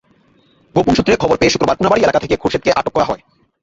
গোপন সূত্রে খবর পেয়ে শুক্রবার কোনাবাড়ী এলাকা থেকে খোরশেদকে আটক করা হয়।